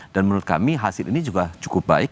dan menurut kami hasil ini juga cukup baik